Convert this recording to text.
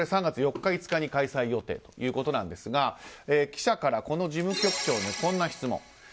３月４日、５日に開催予定ということですが記者から、この事務局長にこんな質問。